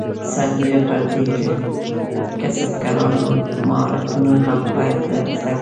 سربیره پر دې کسبګران نور مهارتونه هم باید زده کړي.